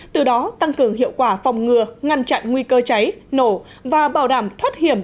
từ đó tăng cường hiệu quả phòng ngừa ngăn chặn nguy cơ cháy nổ và bảo đảm thoát hiểm